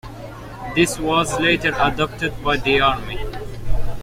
This was later adapted by the Army.